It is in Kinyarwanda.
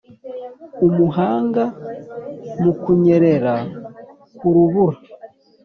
umuhanga mu kunyerera ku rubura